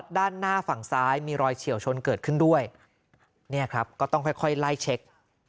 ด้านหน้าฝั่งซ้ายมีรอยเฉียวชนเกิดขึ้นด้วยเนี่ยครับก็ต้องค่อยไล่เช็ค